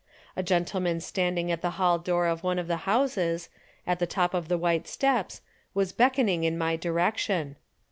A gentleman standing at the hall door of one of the houses, at the top of the white steps, was beckoning in my direction.